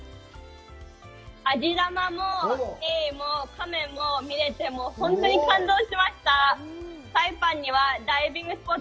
アジ玉もエイもカメも見れて、本当に感動しました。